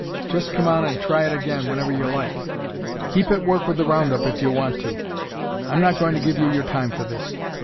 Just come on and try it again whenever you like! Keep at work with the round up if you want to I'm not going to give you your time for this.